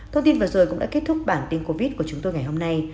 thông tin vừa rồi cũng đã kết thúc bản tin covid của chúng tôi ngày hôm nay